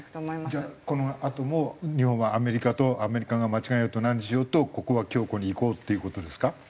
じゃあこのあとも日本はアメリカとアメリカが間違えようと何しようとここは強固にいこうっていう事ですか？